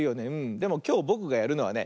でもきょうぼくがやるのはね